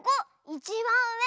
いちばんうえ。